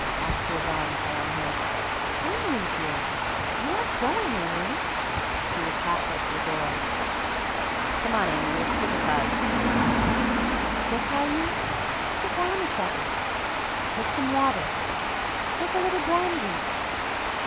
Axia's arm fell on his. "Amory, dear, you aren't going, Amory!" He was half way to the door. "Come on, Amory, stick 'th us!" "Sick, are you?" "Sit down a second!" "Take some water." "Take a little brandy...."